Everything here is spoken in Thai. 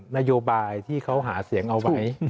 นโยบายที่เขาหาเสียงเอาไว้